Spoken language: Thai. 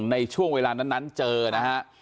ในช่วงเวลานั้นเจอนะฮะ